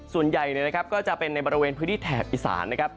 ส่วนใหญ่นะครับก็จะเป็นในบริเวณพื้นที่แถบอีสานนะครับ